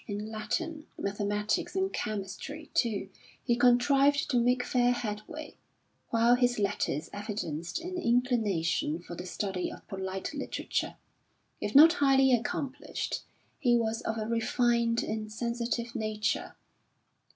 In Latin, mathematics, and chemistry, too, he contrived to make fair headway; while his letters evidenced an inclination for the study of polite literature. If not highly accomplished, he was of a refined and sensitive nature.